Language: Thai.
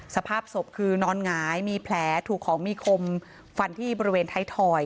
สภาพศพคือนอนหงายมีแผลถูกของมีคมฟันที่บริเวณไทยทอย